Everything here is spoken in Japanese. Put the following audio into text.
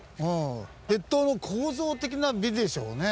鉄塔の構造的な美でしょうね。